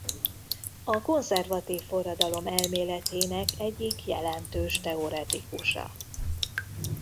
A konzervatív forradalom elméletének egyik jelentős teoretikusa.